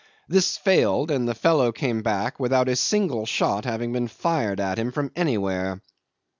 This failed, and the fellow came back without a single shot having been fired at him from anywhere.